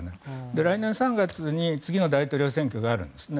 来年３月に次の大統領選挙があるんですね。